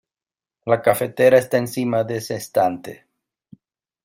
La cafetera está encima de ese estante.